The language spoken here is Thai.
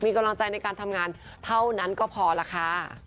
มีกำลังใจในการทำงานเท่านั้นก็พอล่ะค่ะ